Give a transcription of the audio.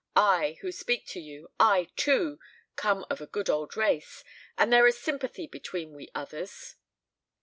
I, who speak to you I, too, come of a good old race, and there is sympathy between we others."